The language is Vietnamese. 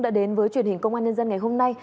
đã đến với truyền hình công an nhân dân ngày hôm nay